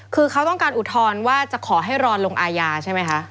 คือเขาต้องการอุทธรณ์ว่าจะขอให้รอลงอาญาใช่ไหมคะ